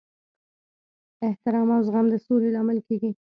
احترام او زغم د سولې لامل کیږي.